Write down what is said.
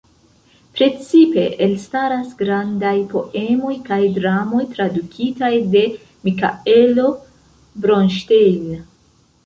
Precipe elstaras grandaj poemoj kaj dramoj tradukitaj de Mikaelo Bronŝtejn.